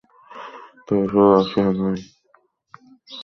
তবে শুধু রাশিয়া নয়, এই কাজে আরও অনেকে যুক্ত থাকতে পারে।